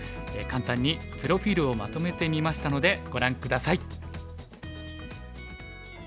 簡単にプロフィールをまとめてみましたのでご覧下さい。